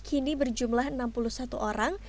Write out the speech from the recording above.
kini berjumlah enam puluh satu orang